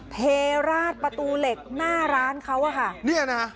เทราดประตูเหล็กหน้าร้านเขาอ่ะค่ะเนี่ยนะคะ